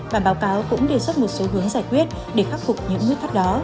bản báo cáo cũng đề xuất một số hướng giải quyết để khắc phục những nút thắt đó